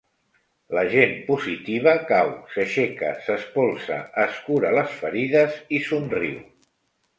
La gent positiva cau, s'aixeca, s'espolsa, es cura les ferides i somriu.